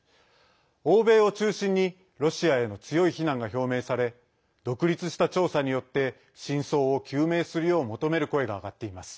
欧米を中心にロシアへの強い非難が表明され独立した調査によって真相を究明するよう求める声が上がっています。